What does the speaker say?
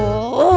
keranjang lo apa